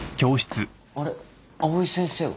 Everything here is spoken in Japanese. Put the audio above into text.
あれ藍井先生は？